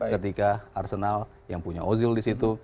ketika arsenal yang punya ozil disitu